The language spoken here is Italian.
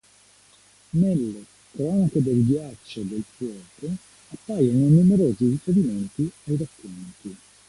Nelle "Cronache del ghiaccio e del fuoco" appaiono numerosi riferimenti ai racconti.